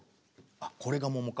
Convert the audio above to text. これが桃か。